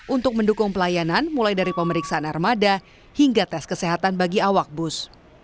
untuk mendukung pelayanan mulai dari pemeriksaan armada hingga tes kesehatan bagi awak bus